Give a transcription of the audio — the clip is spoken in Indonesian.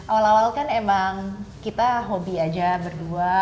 awal awal kan emang kita hobi aja berdua